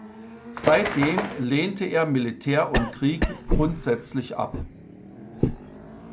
Seitdem lehnte er Militär und Krieg grundsätzlich ab.